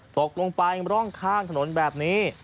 ตกลงไปร่องข้างถนนแบบนี้